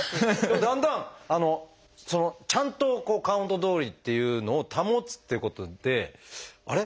だんだんあのちゃんとカウントどおりっていうのを保つっていうことであれ？